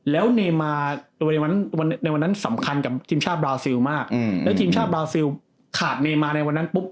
แล้วเนมาในวันนั้นสำคัญกับทีมชาติบราซิลมากแล้วทีมชาติบราซิลขาดเนมมาในวันนั้นปุ๊บ